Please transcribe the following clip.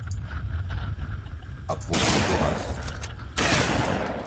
À propos d’Horace